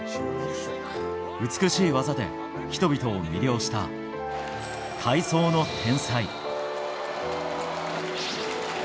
美しい技で人々を魅了した体操の天才。